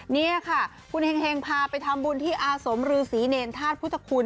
นี่ค่ะคุณเฮงพาไปทำบุญที่อาสมรือศรีเนรธาตุพุทธคุณ